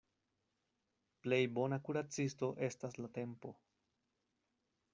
Plej bona kuracisto estas la tempo.